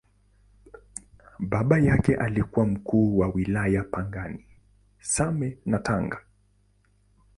Baba yake alikuwa Mkuu wa Wilaya Pangani, Same na Tanga.